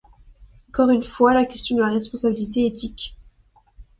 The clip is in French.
Encore une fois, la question de la responsabilité éthique.